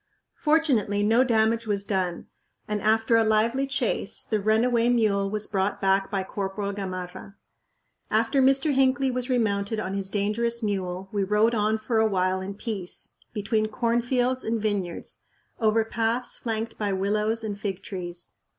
Fortunately no damage was done, and after a lively chase the runaway mule was brought back by Corporal Gamarra. After Mr. Hinckley was remounted on his dangerous mule we rode on for a while in peace, between cornfields and vineyards, over paths flanked by willows and fig trees.